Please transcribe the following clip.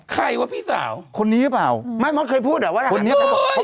ใครว่าพี่สาวคนนี้หรือเปล่าไม่มดเคยพูดอ่ะว่าอะไรคนนี้เขาบอกเขา